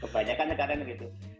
kebanyakan negara yang begitu